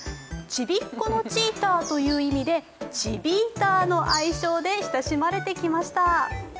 ちびっ子のチーターという意味でチビーターの愛称で親しまれてきました。